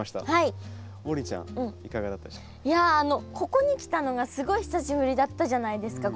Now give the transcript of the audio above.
ここに来たのがすごい久しぶりだったじゃないですか。